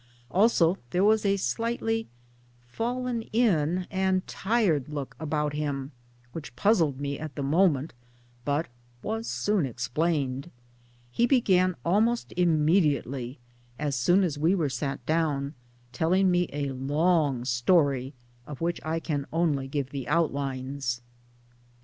Also there was a slightly " fallen in " and tired look about him which puzzled me at the moment, but was soon explained. He began almost immediately as soon as we were sat down telling me a long story of which I can only give the outlines.